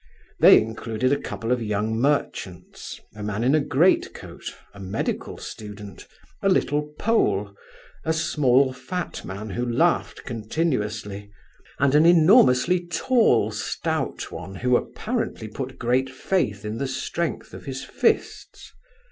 They included a couple of young merchants, a man in a great coat, a medical student, a little Pole, a small fat man who laughed continuously, and an enormously tall stout one who apparently put great faith in the strength of his fists.